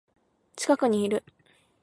近くにいる